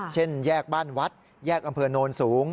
เช่นแยกบ้านวัดแยกอำเภอโนนสูง